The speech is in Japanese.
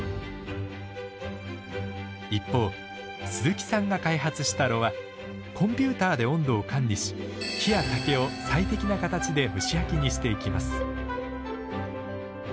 一方鈴木さんが開発した炉はコンピューターで温度を管理し木や竹を最適な形で蒸し焼きにしていきます。